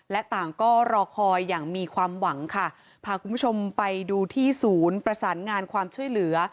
และต่างก็รอคอยอย่างมีความหวังค่ะพาคุณผู้ชมไปดูที่ศูนย์ประสานงานความช่วยเหลือ